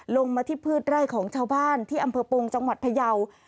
ลงมาที่พืชไร่ของชาวบ้านที่อำเภอปงจังหวัดพยาว